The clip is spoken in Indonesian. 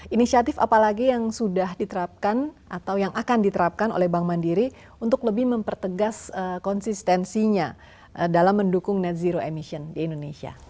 inisiatif apa lagi yang sudah diterapkan atau yang akan diterapkan oleh bank mandiri untuk lebih mempertegas konsistensinya dalam mendukung net zero emission di indonesia